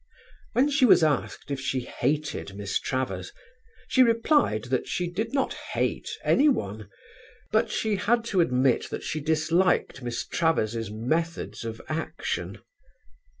When she was asked if she hated Miss Travers, she replied that she did not hate anyone, but she had to admit that she disliked Miss Travers' methods of action.